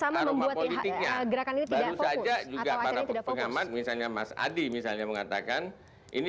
baru saja juga para pengamat misalnya mas adi mengatakan ini sebetulnya bentuk ekspresi daripada ketidakkuasaan teman teman ini terhadap pemerintahan